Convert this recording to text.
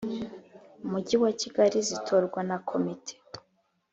Umujyi wa Kigali zitorwa na Komite